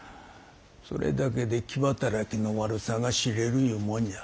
それだけで気働きの悪さが知れるいうもんや。